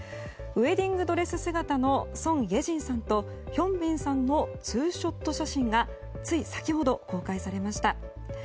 ウエディングドレス姿のソン・イェジンさんとヒョンビンさんのツーショット写真がつい先ほど公開されました。